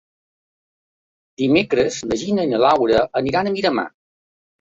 Dimecres na Gina i na Laura aniran a Miramar.